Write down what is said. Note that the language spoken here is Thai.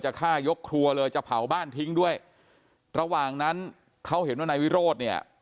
ฆ่ายกครัวเลยจะเผาบ้านทิ้งด้วยระหว่างนั้นเขาเห็นว่านายวิโรธเนี่ย